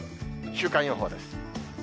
週間予報です。